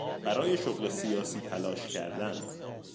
برای شغل سیاسی تلاش کردن